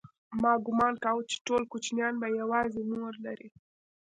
ما گومان کاوه چې ټول کوچنيان به يوازې مور لري.